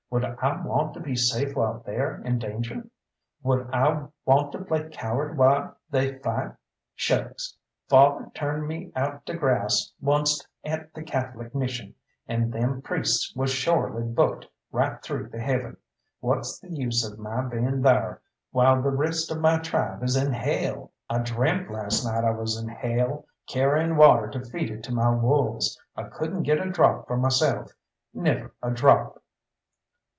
Would I want to be safe while they're in danger? Would I want to play coward while they fight? Shucks! Father turned me out to grass onced at the Catholic Mission, and them priests was shorely booked right through to heaven. What's the use of my being thar, while the rest of my tribe is in hell? I dreamt last night I was in hell, carrying water to feed it to my wolves; I couldn't get a drop for myself never a drop."